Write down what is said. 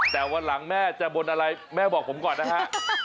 แต่วันหลังแม่จะบนอะไรแม่บอกผมก่อนนะฮะ